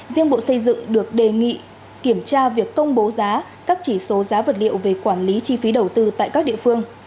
riêng bộ xây dựng được đề nghị kiểm tra việc công bố giá các chỉ số giá vật liệu về quản lý chi phí đầu tư tại các địa phương